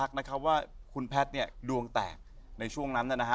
ว่าคุณแพทย์เนี่ยดวงแตกในช่วงนั้นนะฮะ